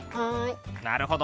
なるほど。